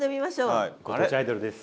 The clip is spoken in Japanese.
ご当地アイドルです。